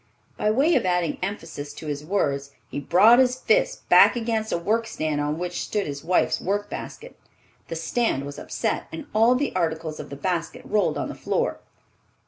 By way of adding emphasis to his words he brought his fist back against a work stand, on which stood his wife's work basket. The stand was upset, and all the articles of the basket rolled on the floor.